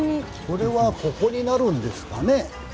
これはここになるんですかね。